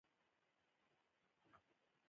پروت ترمنځه مو یو یا بل پردی وطن دی